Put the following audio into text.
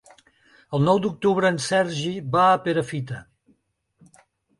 El nou d'octubre en Sergi va a Perafita.